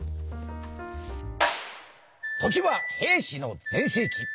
「時は平氏の全盛期！